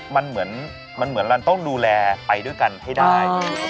มันเหมือนมันเหมือนเราต้องดูแลไปด้วยกันให้ได้